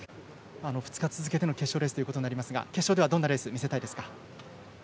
２日続けての決勝レースとなりますが決勝ではどんなレースを見せたいですか？